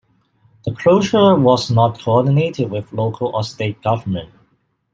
The closure was not coordinated with local or state government.